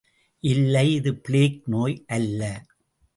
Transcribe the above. இல்லை, இது பிளேக் நோய் அல்ல.